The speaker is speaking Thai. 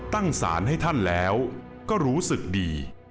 สารให้ท่านแล้วก็รู้สึกดี